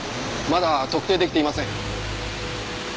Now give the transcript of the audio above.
まだ特定出来ていません。